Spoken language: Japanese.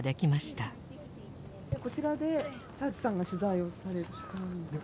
こちらで澤地さんが取材をされたんですか？